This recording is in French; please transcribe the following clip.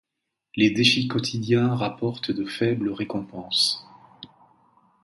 Les défis quotidiens rapportent de faibles récompenses.